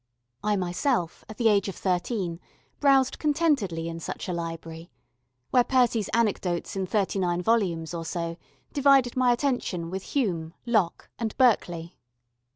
I myself, at the age of thirteen, browsed contentedly in such a library where Percy's anecdotes in thirty nine volumes or so divided my attention with Hume, Locke and Berkeley.